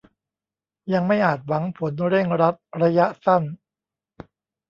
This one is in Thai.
ยังไม่อาจหวังผลเร่งรัดระยะสั้น